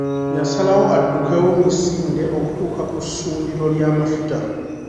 Yasalawo addukewo misinde okutuuka ku ssundiro ly’amafuta.